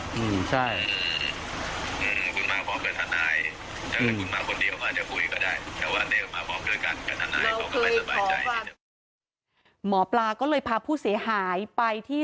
หมอปลาก็เลยพาผู้เสียหายไปที่